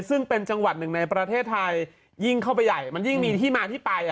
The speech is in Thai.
ซึ่งเป็นจังหวัดหนึ่งในประเทศไทยยิ่งเข้าไปใหญ่มันยิ่งมีที่มาที่ไป